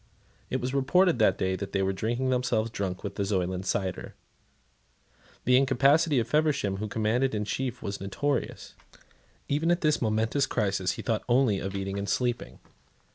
It was reported that they were drinking themselves drunk with the Zoyland cider. The incapacity of Feversham, who commanded in chief, was notorious. Even at this momentous crisis he thought only of eating and sleeping.